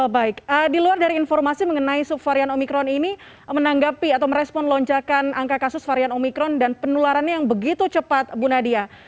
baik di luar dari informasi mengenai subvarian omikron ini menanggapi atau merespon lonjakan angka kasus varian omikron dan penularannya yang begitu cepat bu nadia